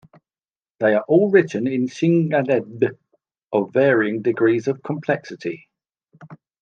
They are all written in cynghanedd of varying degrees of complexity.